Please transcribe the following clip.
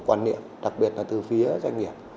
quan niệm đặc biệt là từ phía doanh nghiệp